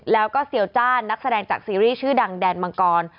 แล้วก็เซียวจ้านนักแสดงจากซีรีส์ชื่อดังแดนมังกร